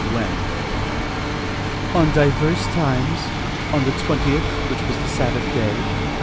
"When?" "On divers times. On the 20th, which was the Sabbath day.